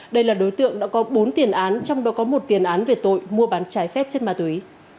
đây là đối tượng đã có bốn tiền án trong đó có một tiền án về tội mua bán trái phép chất ma túy